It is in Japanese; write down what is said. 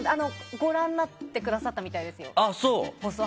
ご覧になってくださったみたいですよ。